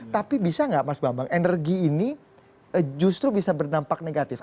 tapi bisa nggak mas bambang energi ini justru bisa berdampak negatif